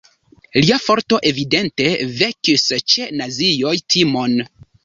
Lia forto evidente vekis ĉe nazioj timon.